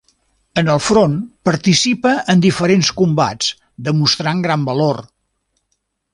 En el front participa en diferents combats demostrant gran valor.